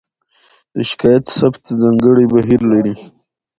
د شکایت ثبت ځانګړی بهیر لري.